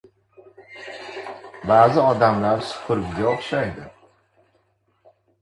• Ba’zi odamlar supurgiga o‘xshaydi.